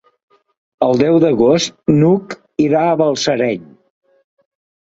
El deu d'agost n'Hug irà a Balsareny.